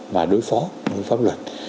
mà đối phó với pháp luật